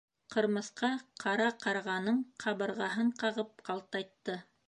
— Ҡырмыҫҡа ҡара ҡарғаның ҡабырғаһын ҡағып ҡалтайтты.